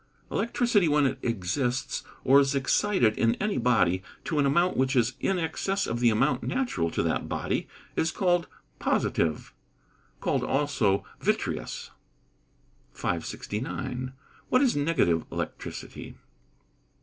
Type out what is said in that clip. _ Electricity, when it exists, or is excited, in any body, to an amount which is in excess of the amount natural to that body, is called positive (called also vitreous). 569. _What is negative electricity?